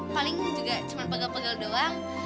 paling juga cuman pegel pegel doang